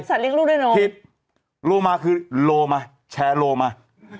สัตว์เลี้ยงลูกด้วยนมผิดโลมาคือโลมาแชร์โลมา